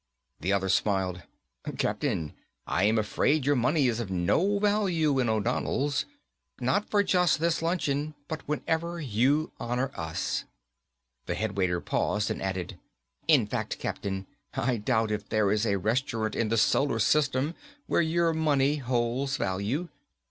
The other smiled. "Captain, I am afraid your money is of no value in O'Donnell's, not for just this luncheon but whenever you honor us." The head waiter paused and added, "in fact, Captain, I doubt if there is a restaurant in the Solar System where your money holds value.